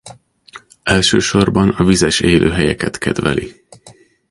Elsősorban a vizes élőhelyeket kedveli.